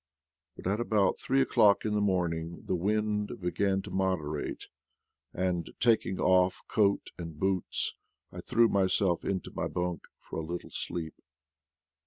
But at about three o'clock in the morning the wind began to moderate, and, taking off coat and boots, I threw myself into my bunk for a little sleep.